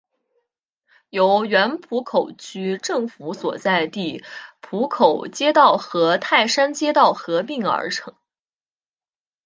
由原浦口区政府所在地浦口街道和泰山街道合并而成。